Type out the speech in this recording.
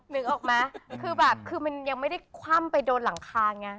นึกออกไหมคือแบบคือมันยังไม่ได้คว่ำไปโดนหลังคาไง